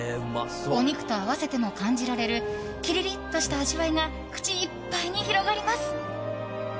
お肉と合わせても感じられるキリリとした味わいが口いっぱいに広がります。